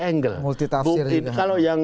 angle multitafsir kalau yang